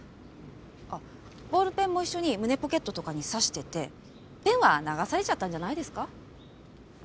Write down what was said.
あっボールペンも一緒に胸ポケットとかに挿しててペンは流されちゃったんじゃないですか？